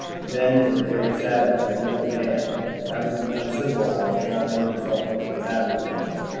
Then, with a great sadness, I knew that man, having become civilized, cannot make himself into a savage again.